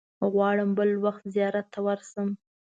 غواړم بل وخت زیارت ته ورشم.